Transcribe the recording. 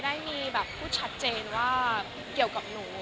อ๋อแต่เท่าที่อ่านยังไม่ได้พูดชัดเจนว่าเกี่ยวกับหนู